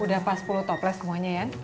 udah pas puluh toplass semuanya ya